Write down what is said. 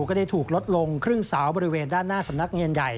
ก็ได้ถูกลดลงครึ่งเสาบริเวณด้านหน้าสำนักงานใหญ่